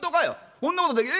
そんなことできる？」。